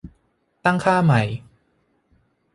ตั้งค่าใหม่